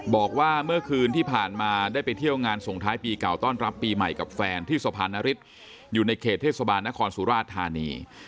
บอกว่าเมื่อคืนที่ผ่านมาได้ไปเที่ยวงานส่งท้ายปีเก่าต้อนรับปีใหม่กับแฟนที่สะพานนฤทธิ์อยู่ในเขตเทศบาลนครสุราชธานี